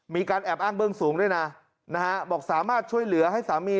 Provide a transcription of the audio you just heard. มีการแอบอ้างเบื้องสูงด้วยนะนะฮะบอกสามารถช่วยเหลือให้สามี